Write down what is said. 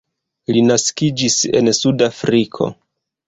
Li naskiĝis en Sudafriko.